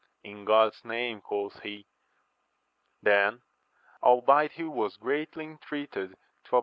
In God's name, quoth he. ThftiL alheit he was greatly intreate4 to 2[)o\.